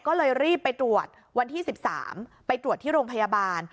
ก็เลยรีบไปตรวจวันที่๑๓ไปตรวจที่โรงพยาบาล